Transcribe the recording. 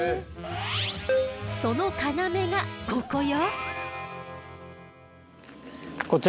その要がここよ。